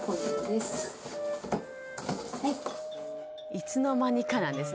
いつの間にかなんですね。